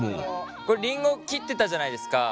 これりんごを切ってたじゃないですか。